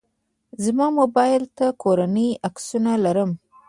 زما موبایل ته کورنۍ عکسونه لرم.